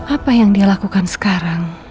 apa yang dia lakukan sekarang